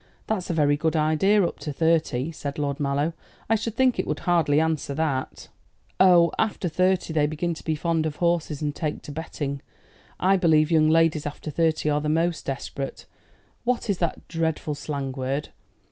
"That's a very good idea up to thirty," said Lord Mallow. "I should think it would hardly answer after." "Oh, after thirty they begin to be fond of horses and take to betting. I believe young ladies after thirty are the most desperate what is that dreadful slang word?